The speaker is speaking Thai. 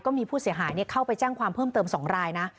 มีผู้เสียหายเข้าไปแจ้งความเพิ่มเติม๒รายนะ